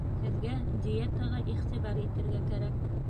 Һеҙгә диетаға иғтибар игергә кәрәк